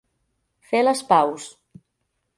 Fer les paus.